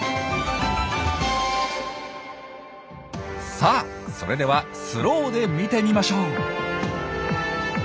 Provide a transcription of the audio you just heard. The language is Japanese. さあそれではスローで見てみましょう。